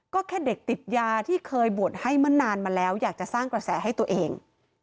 ก็แค่เด็กติดยาที่เคยบวชให้เมื่อนานมาแล้วอยากจะสร้างกระแสให้ตัวเอง